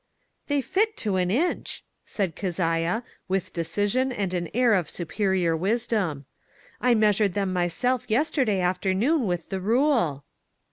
" They fit to an inch," said Keziah, with decision and an air of superior wisdom. " I measured them myself yesterday afternoon with the rule."